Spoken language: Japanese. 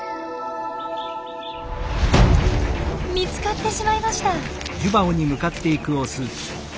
見つかってしまいました。